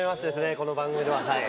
この番組では。